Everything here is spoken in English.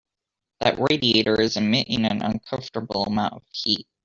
That radiator is emitting an uncomfortable amount of heat.